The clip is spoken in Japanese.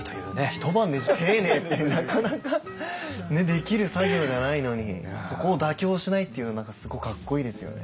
一晩で丁寧ってなかなかできる作業じゃないのにそこを妥協しないっていうのすごいかっこいいですよね。